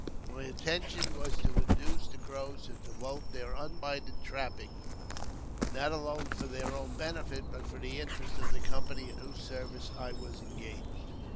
My intention was to induce the ': Crows to devote their undivided attention to trapping, not I alone for their own benefit, but for the interest of the company 1 in whose service I was engaged.